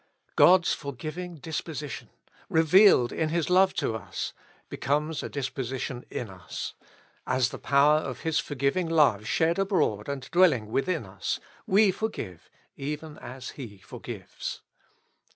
God's forgiving disposi tion, revealed in His love to us, becomes a disposi tion in us; as the power of His forgiving love shed abroad and dwelling within us, we forgive even as He forgives.